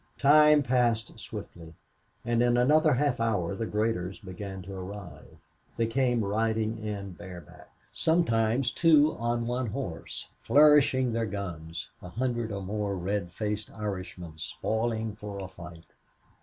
Time passed swiftly, and in another half hour the graders began to arrive. They came riding in bareback, sometimes two on one horse, flourishing their guns a hundred or more red faced Irishmen spoiling for a fight.